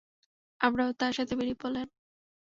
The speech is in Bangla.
আমরাও তার সাথে বেরিয়ে পড়লাম।